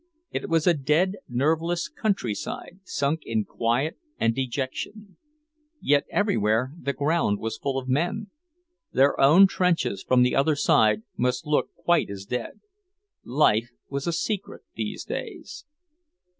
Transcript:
It was a dead, nerveless countryside, sunk in quiet and dejection. Yet everywhere the ground was full of men. Their own trenches, from the other side, must look quite as dead. Life was a secret, these days.